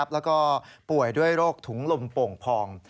แล้วก็ป่วยด้วยโรคถุงลมโป่งพอง